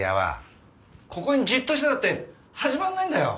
ここにじっとしてたって始まらないんだよ！